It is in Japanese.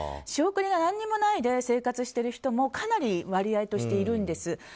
仕送りが何もないで生活している人もかなり割合としているんです。